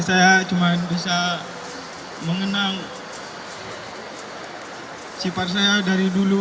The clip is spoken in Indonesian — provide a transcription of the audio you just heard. saya cuma bisa mengenang sifat saya dari dulu